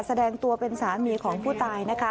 แสดงตัวเป็นสามีของผู้ตายนะคะ